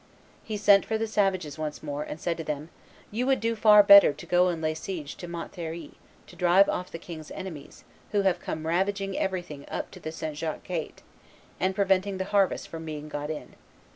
He sent for the savages once more, and said to them, "You would do far better to go and lay siege to Montlhery, to drive off the king's enemies, who have come ravaging everything up to the St. Jacques gate, and preventing the harvest from being got in."